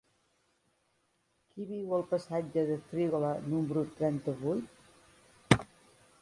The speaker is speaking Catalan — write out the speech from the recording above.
Qui viu al passatge de Frígola número trenta-vuit?